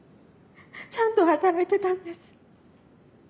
ちゃんと働いてたんです。